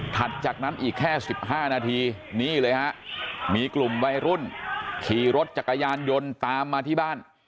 จากนั้นอีกแค่๑๕นาทีนี่เลยฮะมีกลุ่มวัยรุ่นขี่รถจักรยานยนต์ตามมาที่บ้าน